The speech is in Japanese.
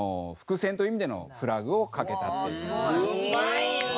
うまいな！